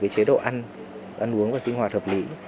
thứ nhất là cần phải tuân thủ chế độ ăn uống và sinh hoạt hợp lý